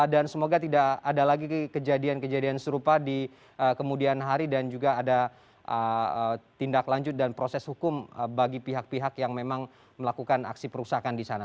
dan semoga tidak ada lagi kejadian kejadian serupa di kemudian hari dan juga ada tindak lanjut dan proses hukum bagi pihak pihak yang memang melakukan aksi perusahaan di sana